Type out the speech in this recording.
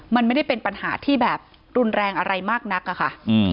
มันไม่ได้เป็นปัญหาที่แบบรุนแรงอะไรมากนักอะค่ะ